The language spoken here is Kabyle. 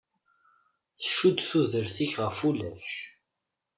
Tcudd tudert-ik ɣef wulac.